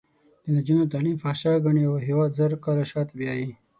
د نجونو تعلیم فحشا ګڼي او هېواد زر کاله شاته بیایي.